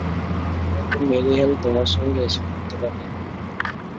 হয়তো Mary Hale তোমার সঙ্গে এসে পড়তে পারে।